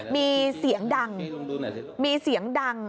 มีเสียงดัง